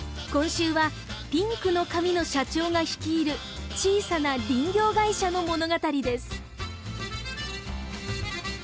今週はピンクの髪の社長が率いる小さな林業会社の物語です。